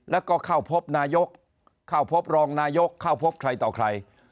แล้วก็เข้าพบนายกเข้าพบรองนายกเข้าพบใครต่อใคร